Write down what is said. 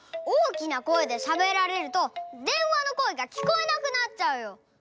大きな声でしゃべられるとでんわの声がきこえなくなっちゃうよ！